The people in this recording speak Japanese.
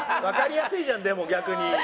わかりやすいじゃんでも逆に。